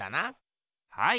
はい。